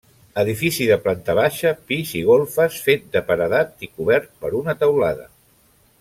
Edifici de planta baixa, pis i golfes, fet de paredat i cobert per una teulada.